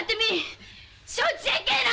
承知せんけえな！